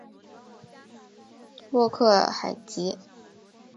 洛克海吉。